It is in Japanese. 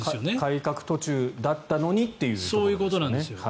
改革途中だったのにっていうことですよね。